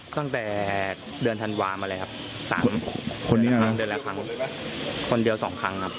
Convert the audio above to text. ตั้งแต่เดือนธันวาลมาเลยครับสามคนเดียวสองครั้งครับ